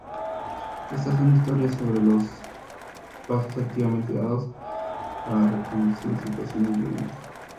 Estas son historias sobre los pasos activamente dados para reconducir situaciones violentas.